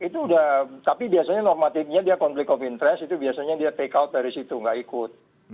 tapi biasanya normatifnya dia konflik of interest biasanya dia take out dari situ tidak ikut